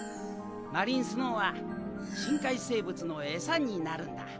マリンスノーは深海生物のエサになるんだ。